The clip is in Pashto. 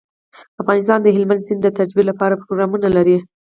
افغانستان د هلمند سیند د ترویج لپاره پروګرامونه لري.